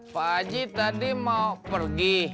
pak haji tadi mau pergi